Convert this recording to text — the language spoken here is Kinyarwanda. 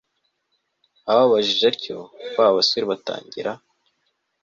ababajije atyo, babasore batangira